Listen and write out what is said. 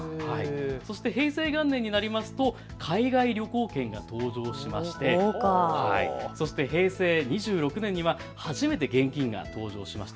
そして平成元年になりますと海外旅行券が登場して、そして平成２６年には初めて現金が登場しました。